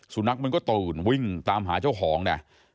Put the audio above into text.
สุนัขมันก็ตื่นวิ่งตามหาเจ้าของเนี่ย